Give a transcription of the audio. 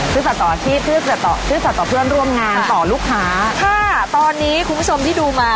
ชื่อศาสตราชีพชื่อศาสตราเพื่อนร่วมงานต่อลูกค้าถ้าตอนนี้คุณผู้ชมที่ดูมา